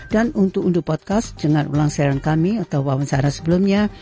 dan untuk unduh podcast jangan ulang siaran kami atau wawancara sebelumnya